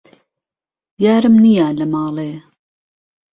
یارم نیە لە ماڵێ